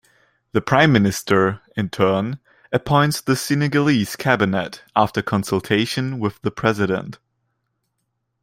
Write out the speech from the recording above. The Prime Minister, in turn, appoints the Senegalese cabinet, after consultation with the President.